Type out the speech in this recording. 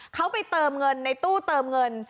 เขาไปเติมเงินในตู้เติมเงิน